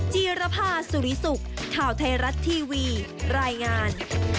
จีรภาสุริสุขข่าวไทยรัฐทีวีรายงาน